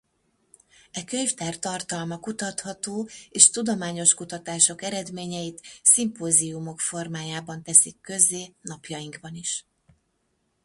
E könyvtár tartalma kutatható és tudományos kutatások eredményeit szimpóziumok formájában teszik közzé napjainkban is.